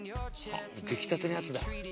出来たてのやつだ。